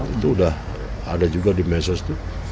itu udah ada juga di medsos tuh